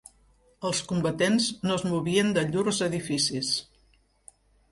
Els combatents no es movien de llurs edificis